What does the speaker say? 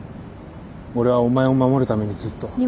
俺はお前を守るためにずっと。